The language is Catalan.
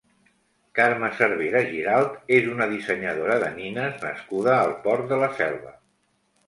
Carme Cervera Giralt és una dissenyadora de nines nascuda al Port de la Selva.